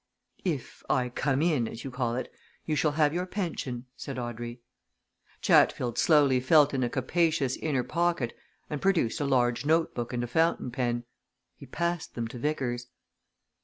"If I come in, as you call it, you shall have your pension," said Audrey. Chatfield slowly felt in a capacious inner pocket and produced a large notebook and a fountain pen. He passed them to Vickers.